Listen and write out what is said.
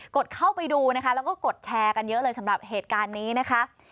ดเข้าไปดูนะคะแล้วก็กดแชร์กันเยอะเลยสำหรับเหตุการณ์นี้นะคะ